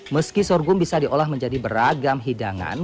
meski sorghum bisa diolah menjadi beragam hidangan